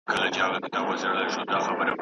له امیانو څه ګیله ده له مُلا څخه لار ورکه